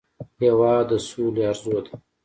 هېواد د سولې ارزو ده.